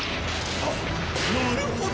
あっなるほど！